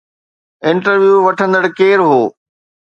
Interview وٺندڙ ڪير هو؟